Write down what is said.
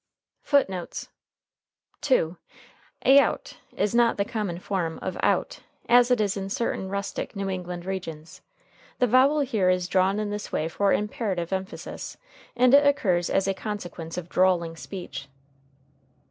FOOTNOTES: [Footnote 2: Aout is not the common form of out, as it is in certain rustic New England regions. The vowel is here drawn in this way for imperative emphasis, and it occurs as a consequence of drawling speech.